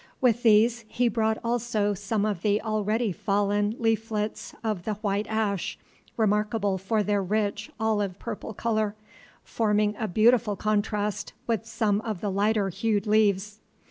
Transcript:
With these he brought also some of the already fallen leaflets of the white ash, remarkable for their rich olive purple color, forming a beautiful contrast with some of the lighter hued leaves.